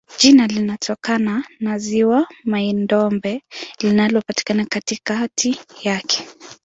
Jina linatokana na ziwa Mai-Ndombe linalopatikana katikati yake.